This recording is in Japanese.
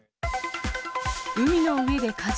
海の上で火事。